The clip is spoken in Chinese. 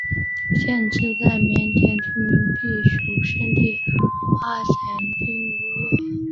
县治在缅甸著名避暑胜地花城彬乌伦。